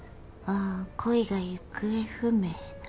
あぁ恋が行方不明だ。